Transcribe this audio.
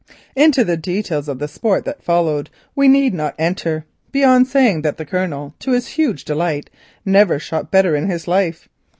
Into the details of the sport that followed we need not enter, beyond saying that the Colonel, to his huge delight, never shot better in his life.